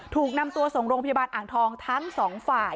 ถูกนำตัวส่งโรงพยาบาลอ่างทองทั้งสองฝ่าย